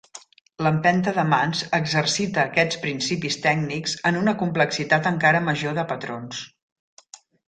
L"empenta de mans exercita aquests principis tècnics en una complexitat encara major de patrons.